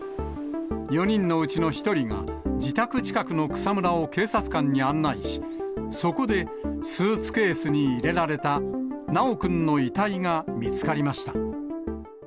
４人のうちの１人が、自宅近くの草むらを警察官に案内し、そこでスーツケースに入れられた修くんの遺体が見つかりました。